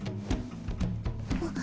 あっ。